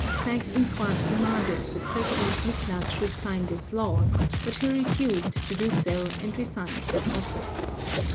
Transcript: Seyss Inquart demanded that President Miklas should sign this law, but he refused to do so, and resigned his office.